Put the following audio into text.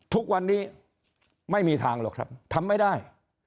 ทุกวันนี้ไม่มีทางหรอกครับทำไม่ได้